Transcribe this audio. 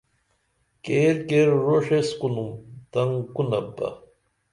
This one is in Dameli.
کیر کیر روݜ ایس کونُم تنگ کونپ بہ